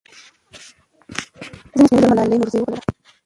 ځینې سپین ږیرو ملالۍ نورزۍ وبلله.